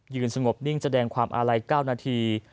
สงบนิ่งแสดงความอาลัย๙นาที